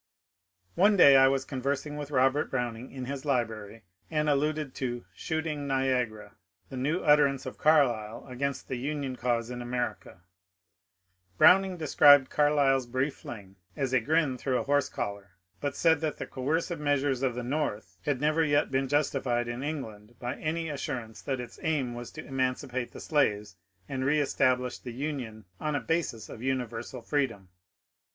One day I was conversing with Robert Browning in his library and alluded to ^* Shooting Niagara," the new utter ance of Carlyle against the Union cause in America. Brown ing described Carlyle's brief fling as ^^ a grin through a horse collar," but said that the coercive measures of the North had never yet been justified in England by any assurance that its aim was to emancipate the slaves and reestablish the Union on a basis of universal freedom.